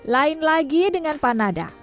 lain lagi dengan panada